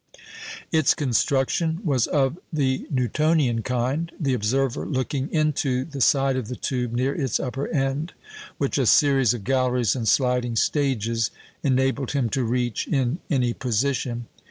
Its construction was of the Newtonian kind, the observer looking into the side of the tube near its upper end, which a series of galleries and sliding stages enabled him to reach in any position.